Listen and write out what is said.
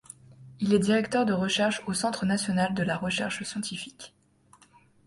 Il est directeur de recherche au Centre national de la recherche scientifique.